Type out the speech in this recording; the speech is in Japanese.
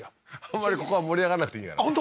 あんまりここは盛り上がんなくていいんじゃない？